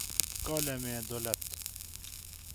کالامیں دولاۤت